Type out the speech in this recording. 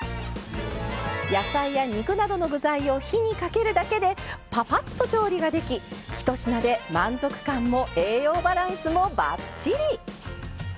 野菜や肉などの具材を火にかけるだけでぱぱっと調理ができひと品で満足感も栄養バランスもばっちり。